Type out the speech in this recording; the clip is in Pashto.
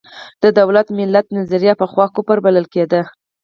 د دولت–ملت نظریه پخوا کفر بلل کېده.